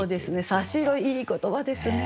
「差し色」いい言葉ですね。